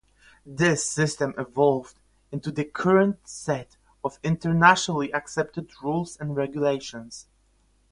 This system evolved into the current set of internationally accepted rules and regulations.